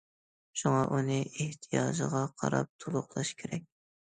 شۇڭا ئۇنى ئېھتىياجغا قاراپ تولۇقلاش كېرەك.